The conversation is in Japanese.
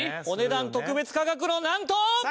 お値段特別価格のなんと！